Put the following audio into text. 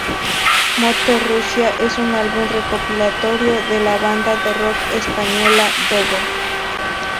Mother Russia es un álbum recopilatorio de la banda de rock española Dover.